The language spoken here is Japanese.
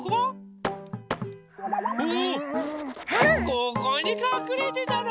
ここにかくれてたの！